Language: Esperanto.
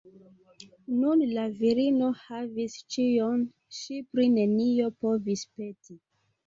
Nun la virino havis ĉion, ŝi pri nenio povis peti.